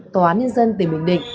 tòa án nhân dân tỉnh bình định